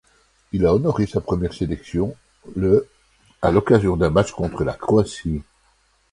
Il a honoré sa première sélection le à l'occasion d'un match contre la Croatie.